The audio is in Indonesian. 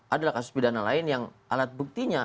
adalah kasus pidana lain yang alat buktinya